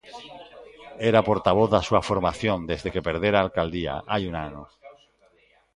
Era portavoz da súa formación desde que perdera a alcaldía, hai un ano.